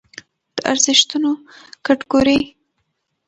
د ارزښتونو کټګورۍ